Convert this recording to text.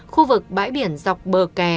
khu vực bãi biển dọc bờ kè